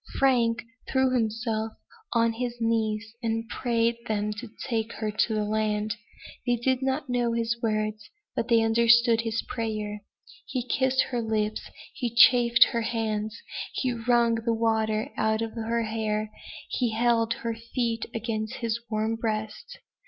Frank threw himself on his knees, and prayed them to take her to land. They did not know his words, but they understood his prayer. He kissed her lips he chafed her hands he wrung the water out of her hair he held her feet against his warm breast.